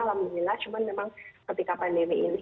alhamdulillah cuman memang ketika pandemi ini